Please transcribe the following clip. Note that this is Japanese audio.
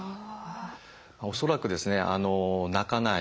恐らくですね鳴かない。